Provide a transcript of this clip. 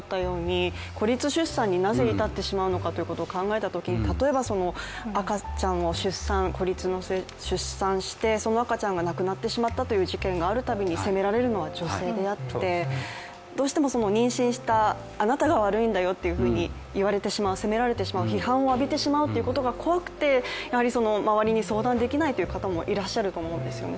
孤立出産になぜ至ってしまうのかということを考えたときに例えば赤ちゃんを孤立出産して、その赤ちゃんが亡くなってしまったという事件があるたびに、責められるのは女性であってどうしても妊娠したあなたが悪いんだよというふうに言われてしまう責められてしまう、批判を浴びてしまうということが怖くてやはり周りに相談できないという方もいらっしゃると思うんですよね。